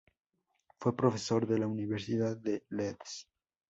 Fue profesor de la Universidad de Leeds.